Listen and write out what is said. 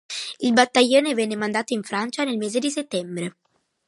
Il battaglione venne mandato in Francia nel mese di settembre.